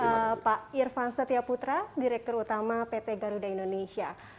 terima kasih banyak pak irvan setia putra direktur utama pt garuda indonesia